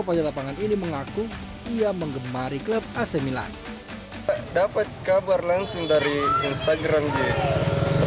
banyak lapangan ini mengaku ia mengemari klub ac milan dapat kabar langsung dari instagram